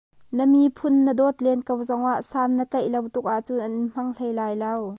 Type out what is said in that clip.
Na miphun na dawt len ko zongah san na tlaih lo tuk ahcun an in hmang hlei lai lo.